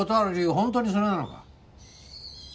本当にそれなのか？